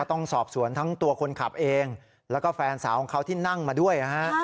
ต้องสอบสวนทั้งตัวคนขับเองแล้วก็แฟนสาวของเขาที่นั่งมาด้วยนะฮะ